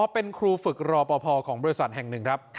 เป็นครูฝึกรอปภของบริษัทแห่งหนึ่งครับ